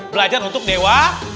belajar untuk dewa